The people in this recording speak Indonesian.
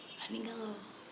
berani gak lo